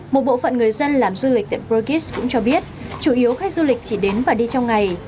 một bộ phận người dân làm du lịch tại brugis cũng cho biết chủ yếu khách du lịch chỉ đến và đi trong ngày